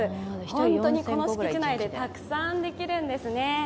ホントにこの敷地内でたくさんできるんですね。